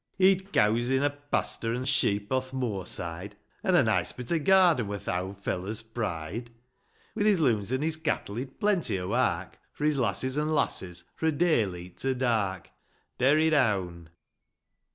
IV. He'd cows in a pastur', An sheep o'th moorside ; An' a nice bit o' garden Wur th' owd fellow's pride j With his looms an' his cattle, He'd plenty o' wark For his lads an' his lasses, Fro' dayleet to dark. Derry down.